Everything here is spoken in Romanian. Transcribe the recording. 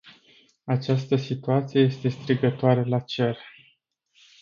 Această situație este strigătoare la cer!